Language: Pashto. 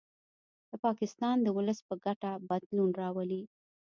د پاکستان د ولس په ګټه بدلون راولي